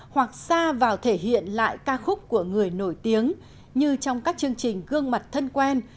hoặc xa vào thể hiện lại ca khúc của người nổi tiếng như trong các chương trình gương mặt thân quen